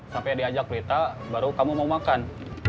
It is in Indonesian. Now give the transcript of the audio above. sampai diajak berita baru kamu mau makan